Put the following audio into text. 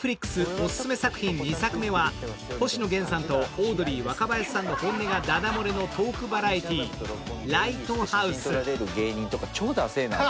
Ｎｅｔｆｌｉｘオススメ作品２作目は星野源さんとオードリー・若林さんの本音がダダ漏れのトークバラエティー「ＬＩＧＨＴＨＯＵＳＥ」。